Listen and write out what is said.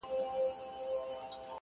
پېژندلی یې خپل کور وو خپله خونه -